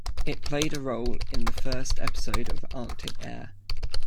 It played a role in the first episode of "Arctic Air".